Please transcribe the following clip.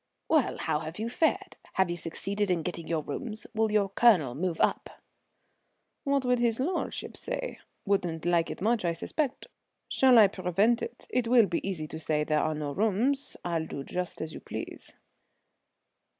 "Well, how have you fared? Have you succeeded in getting your rooms? Will your Colonel move up?" "What would his lordship say? Wouldn't like it much, I expect. Shall I prevent it? It will be easy to say there are no rooms. I'll do just as you please."